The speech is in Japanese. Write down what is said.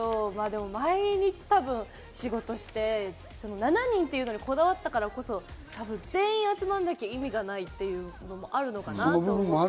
でも毎日多分仕事して、７人というのにこだわったからこそ、全員集まらなきゃ意味がないということもあるのかなと。